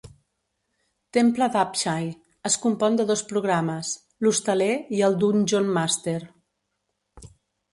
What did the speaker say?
"Temple d'Apshai" es compon de dos programes; l'hostaler i el Dunjonmaster.